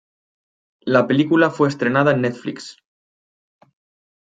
La película fue estrenada en Netflix.